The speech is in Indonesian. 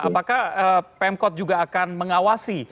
apakah pemkot juga akan mengawasi